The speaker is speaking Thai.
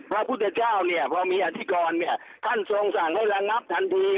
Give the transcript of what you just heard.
พระพุทธเจ้าเนี่ยพอมีอธิกรเนี่ยท่านทรงสั่งให้ระงับทันที